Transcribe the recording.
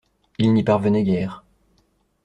Il n'y parvenait guère.